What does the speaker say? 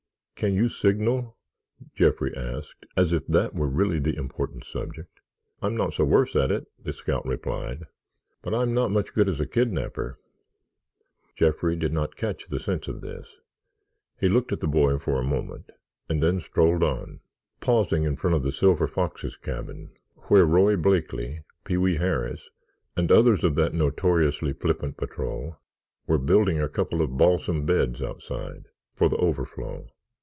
"Can you signal?" Jeffrey asked, as if that were really the important subject. "I'm not so worse at it," the scout replied, "but I'm not much good as a kidnapper." Jeffrey did not catch the sense of this. He looked at the boy for a moment and then strolled on, pausing in front of the Silver Fox's cabin, where Roy Blakeley, Pee wee Harris, and others of that notoriously flippant patrol were building a couple of balsam beds outside, for the overflow.